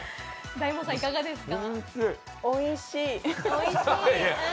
大門さん、いかがですか？